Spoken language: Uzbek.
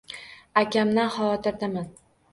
Akamdan xavotirdaman.